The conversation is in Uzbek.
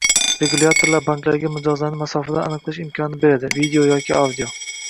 Regulyatorlar banklarga mijozlarni masofadan aniqlash imkonini beradi - video yoki audio